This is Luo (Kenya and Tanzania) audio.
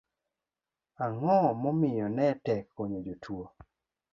ang'o momiyo ne tek konyo jotuwo?